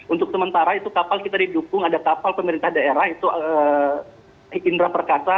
untuk sementara itu kapal kita didukung ada kapal pemerintah daerah itu indra perkasa